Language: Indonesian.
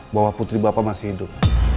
bahwa putri bapak masih hidup